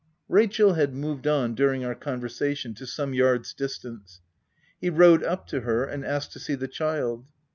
Rachel had moved on, during our conversa tion, to some yards distance. He rode up to her, and asked to see the child.